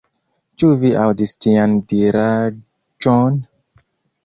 Ĉu vi aŭdis tian diraĵon?